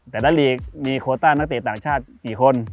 แต่ละลีกมีโคต้านักเตะต่างชาติกี่คน